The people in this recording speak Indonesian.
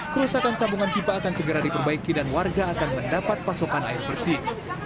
kerusakan sambungan pipa akan segera diperbaiki dan warga akan mendapat pasokan air bersih